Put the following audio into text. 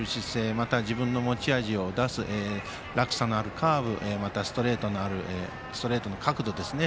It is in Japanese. また、自分の持ち味を出す落差のあるカーブまたストレートの角度ですね。